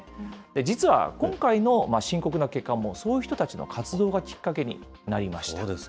実は今回の深刻な欠陥も、そういう人たちの活動がきっかけになりました。